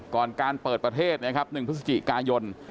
ก่อนการเปิดประเทศนะครับ๑พฤศจิกายน